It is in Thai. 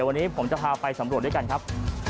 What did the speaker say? วันนี้ผมจะพาไปสำรวจด้วยกันครับ